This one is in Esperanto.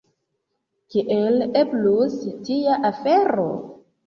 Kiel eblus tia afero?